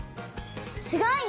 すごいね！